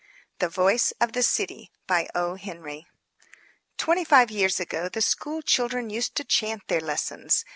THE MEMENTO I THE VOICE OF THE CITY Twenty five years ago the school children used to chant their lessons.